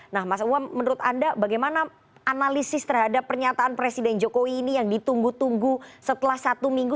nah mas umam menurut anda bagaimana analisis terhadap pernyataan presiden jokowi ini yang ditunggu tunggu setelah satu minggu